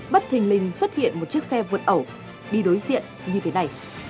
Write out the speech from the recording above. bất thình lình xuất hiện một chiếc xe vượt ẩu đi đối diện như thế này